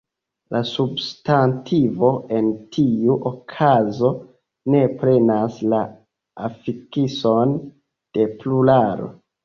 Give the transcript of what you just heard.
La substantivo en tiu okazo ne prenas la afikson de pluralo.